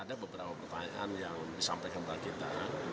ada beberapa pertanyaan yang disampaikan ke kita